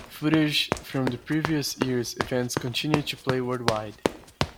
Footage from the previous years events continued to play worldwide.